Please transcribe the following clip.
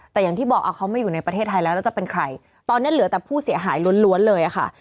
แต่อย่างที่บอกเอาเขามาอยู่ในประเทศไทยแล้วแล้วจะเป็นใครตอนนี้เหลือแต่ผู้เสียหายล้วนเลยอะค่ะ